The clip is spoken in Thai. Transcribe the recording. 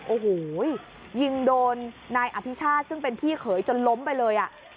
โอ้โหยิงโดนนายอภิชาติซึ่งเป็นพี่เขยจนล้มไปเลย